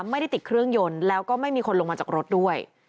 ไม่ได้ติดเครื่องยนต์แล้วก็ไม่มีคนลงมาจากรถด้วย